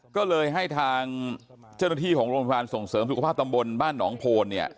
ก็เลยให้ทางเจ้าหน้าที่ของโรงพยาบาลส่งเสริมสุขภาพตำบลบ้านหนองโพนเนี่ย